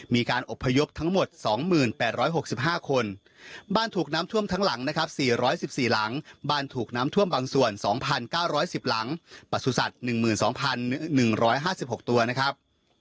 มีการอบพยพทั้งหมดสองหมื่นแปดร้อยหกสิบห้าคนบ้านถูกน้ำท่วมทั้งหลังนะครับสี่ร้อยสิบสี่หลังบ้านถูกน้ำท่วมบางส่วนสองพันเก้าร้อยสิบหลังประสุทธิ์สัตว์หนึ่งหมื่นสองพันหนึ่งร้อยห้าสิบหกตัวนะครับ